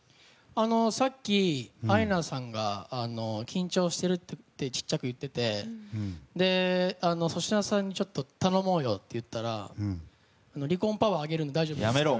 さっきアイナさんが緊張してるってちっちゃく言ってて粗品さんに頼もうよと言ったら離婚パワーあげるんでやめろ！